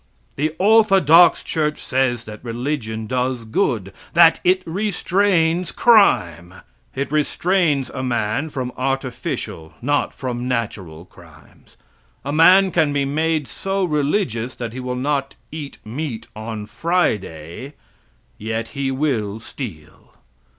The orthodox church says that religion does good; that it restrains crime. It restrains a man from artificial, not from natural crimes. A man can be made so religious that he will not eat meat on Friday, yet he will steal.